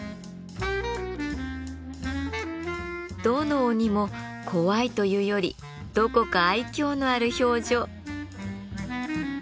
どの鬼も怖いというよりどこか愛嬌のある表情。